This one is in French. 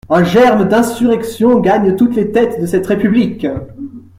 Un germe d'insurrection gagne toutes les têtes de cette république.